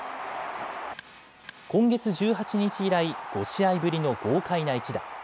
今月１８日以来、５試合ぶりの豪快な１打。